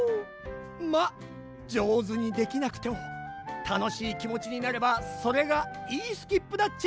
まっじょうずにできなくてもたのしいきもちになればそれがいいスキップだっち！